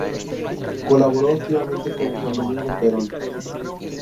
Colaboró activamente con Juan Domingo Perón.